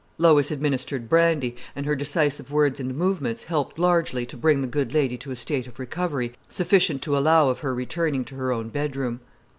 Lois administered brandy, and her decisive words and movements helped largely to bring the good lady to a state of recovery sufficient to allow of her returning to her own bedroom.